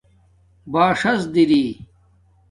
باݽس دری